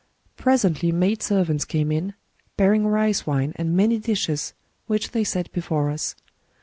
•.. Pres ently maid servants came in, bearing rice wine and many dishes, which they set before us.